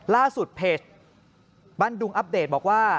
ล่าสุดเพจบ้านดุงอัปเดตบอกว่า